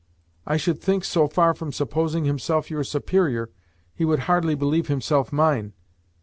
I should think, so far from supposing himself your superior, he would hardly believe himself mine.